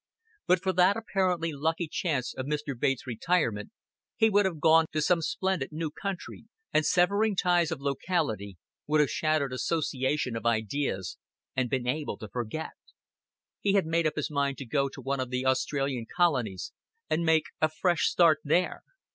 But for that apparently lucky chance of Mr. Bates' retirement, he would have gone to some splendid new country, and severing ties of locality, would have shattered associations of ideas, and been able to forget. He had made up his mind to go to one of the Australian colonies and make a fresh start there.